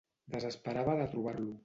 Desesperava de trobar-lo.